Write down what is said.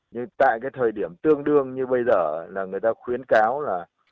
nhưng tại cái thời điểm tương đương như bây giờ là người ta khuyến cáo là